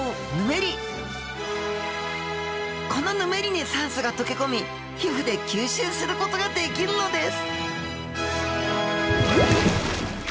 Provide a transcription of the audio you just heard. このヌメリに酸素がとけこみ皮膚で吸収することができるのです